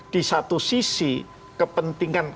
di satu sisi kepentingan